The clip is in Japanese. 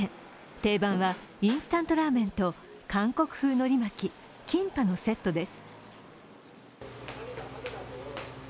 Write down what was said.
定番はインスタントラーメンと韓国風のり巻き、キンパのセットです。